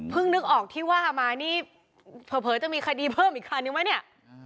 นึกออกที่ว่ามานี่เผลอจะมีคดีเพิ่มอีกคันนึงไหมเนี่ย